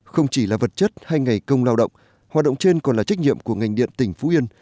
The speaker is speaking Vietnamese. không chỉ là vật chất hay ngày công lao động hoạt động trên còn là trách nhiệm của ngành điện tỉnh phú yên